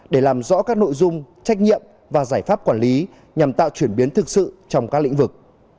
để làm rõ các nội dung trách nhiệm và giải pháp quản lý nhằm tạo chuyển biến thực sự trong các lĩnh vực